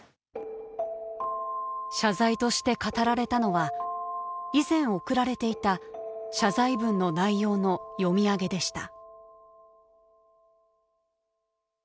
謝罪として語られたのは以前送られていた謝罪文の内容の読み上げでした。